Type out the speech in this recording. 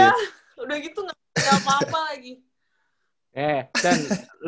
iya udah gitu gak ada apa apa lagi